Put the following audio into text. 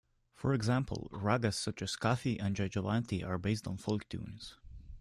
For example, ragas such as Kafi and Jaijaiwanti are based on folk tunes.